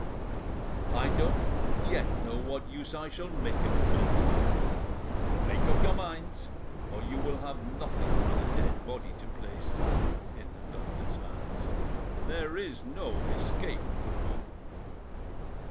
"I don't yet know what use I shall make of it, gentlemen. Make up your minds, or you will have nothing but a dead body to place—in the doctor's hands. There is no escape for you."